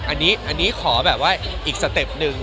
อันนี้ขอแบบว่าอีกสเต็ปหนึ่ง